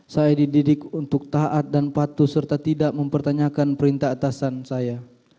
saya dididik untuk taat dan patuh serta tidak mempertanyakan perintah atasan saya